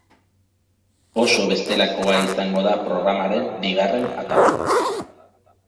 Oso bestelakoa izango da programaren bigarren atala.